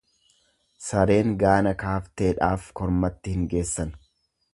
Sareen gaana kaafteedhaaf kormatti hin geessan.